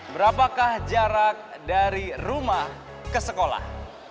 berapakah jarak dari rumah ke sekolah